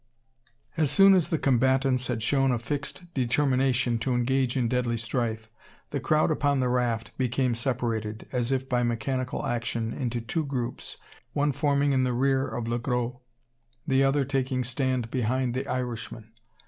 As soon as the combatants had shown a fixed determination to engage in deadly strife, the crowd upon the raft became separated, as if by mechanical action, into two groups, one forming in the rear of Le Gros, the other taking stand behind the Irishman.